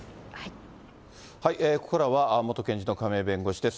ここからは、元検事の亀井弁護士です。